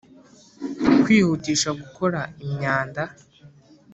kwihutisha gukora imyanda